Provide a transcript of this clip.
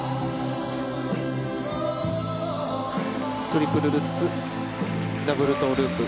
トリプルルッツダブルトウループ。